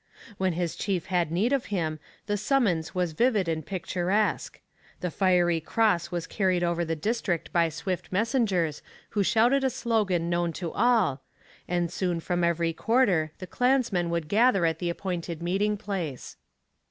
When his chief had need of him, the summons was vivid and picturesque. The Fiery Cross was carried over the district by swift messengers who shouted a slogan known to all; and soon from every quarter the clansmen would gather at the appointed meeting place.